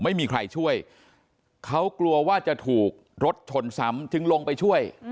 ไม่มีใครช่วยเขากลัวว่าจะถูกรถชนซ้ำจึงลงไปช่วย